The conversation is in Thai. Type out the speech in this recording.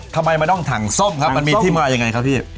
ทำไมมันต้องถังส้มครับมันมีที่มายังไงครับพี่